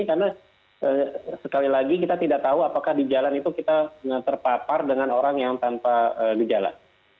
karena sekali lagi kita tidak tahu apakah di jalan itu kita terpapar dengan orang yang tanpa di jalan